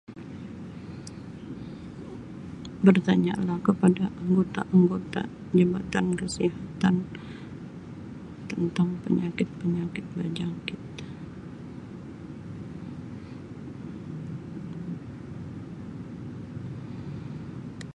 Bertanya kah kepada anggota-anggota jabatan kesihatan tentang penyakit-penyakit berjangkit.